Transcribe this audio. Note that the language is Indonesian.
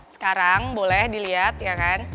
sekarang boleh dilihat ya kan